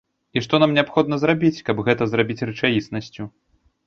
І што нам неабходна зрабіць, каб гэта зрабіць рэчаіснасцю.